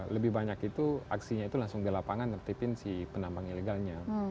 lebih banyak itu aksinya itu langsung di lapangan tertipin si penambang ilegalnya